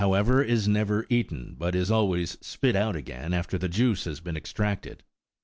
however, is never eaten, but is always spit19 out again, after the juice has been extracted.